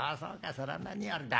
そら何よりだ。